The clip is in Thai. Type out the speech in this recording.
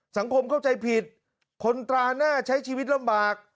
สังคมเข้าใจผิดคนตราหน้าใช้ชีวิตลำบาก